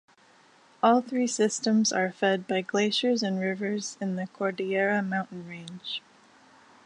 All three systems are fed by glaciers and rivers in the Cordillera mountain range.